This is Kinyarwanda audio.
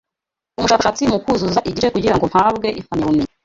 umushakashatsi mukuzuza igice kugirango mpabwe impamyabumenyi